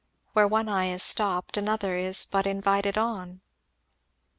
Where one eye is stopped, another is but invited on."